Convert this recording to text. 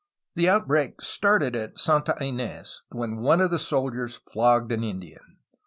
The out break started at Santa In^s, when one of the soldiers flogged an Indian.